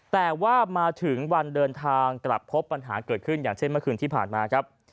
แต่ว่ามาถึงวันเดินทางกลับพบปัญหาเกิดขึ้นอย่างเช่นเมื่อคืนที่ผ่านมาครับ